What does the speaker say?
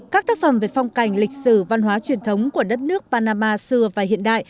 các tác phẩm về phong cảnh lịch sử văn hóa truyền thống của đất nước panama xưa và hiện đại